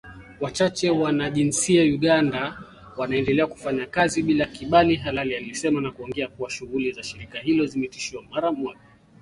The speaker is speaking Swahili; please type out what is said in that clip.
Wachache Wanajinsia Uganda wanaendelea kufanya kazi bila kibali halali alisema na kuongeza kuwa shughuli za shirika hilo zimesitishwa mara moja.